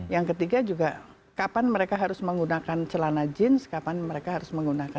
yang ketiga juga kapan mereka harus menggunakan celana jeans kapan mereka harus menggunakan